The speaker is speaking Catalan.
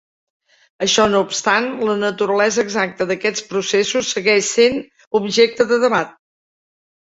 Això no obstant, la naturalesa exacta d'aquests processos segueix sent objecte de debat.